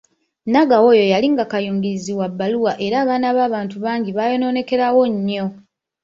Nagawa oyo yalinga kayungirizi wa bbaluwa era abaana ba bantu bangi baayonoonekerawo nnyo.